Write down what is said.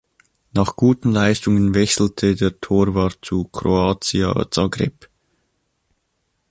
Nach guten Leistungen wechselte der Torwart zu Croatia Zagreb.